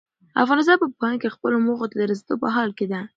افغانستان په پوهنه کې خپلو موخو ته د رسېدو په حال کې دی.